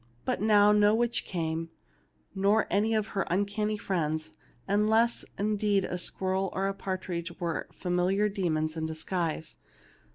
But now no witch came, nor any of her uncanny friends, unless indeed the squirrel and the par tridge were familiar demons in disguise.